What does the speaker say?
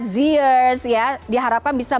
ziers ya diharapkan bisa